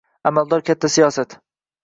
Amaldor katta siyosat.